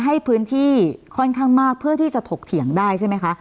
ให้พื้นที่ค่อนข้างมากเพื่อที่จะถกเถียงได้ใช่ไหมคะ